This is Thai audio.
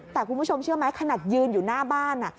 แต่คุณผู้ชมเชื่อไหมขนาดยืนอยู่หน้าบ้าน